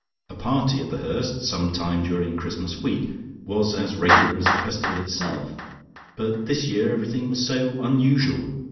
A party at The Hurst sometime during Christmas week was as regular as the festival itself, but this year everything was so unusual.